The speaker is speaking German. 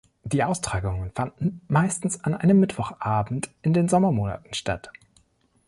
Die Austragungen fanden meistens an einem Mittwochabend in den Sommermonaten statt.